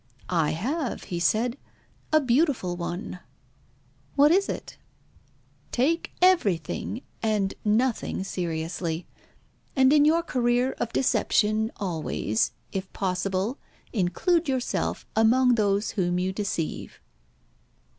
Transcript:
"I have," he said, "a beautiful one." "What is it?" "Take everything and nothing seriously. And in your career of deception always, if possible, include yourself among those whom you deceive."